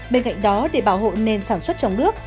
bên cạnh đó để bảo hộ nền sản xuất trong nước